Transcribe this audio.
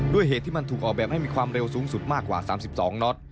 เหตุที่มันถูกออกแบบให้มีความเร็วสูงสุดมากกว่า๓๒น็อต